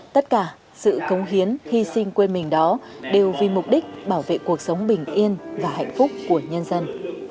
tất cả sự công hiến hy sinh quên mình đó đều vì mục đích bảo vệ cuộc sống bình yên và hạnh phúc của nhân dân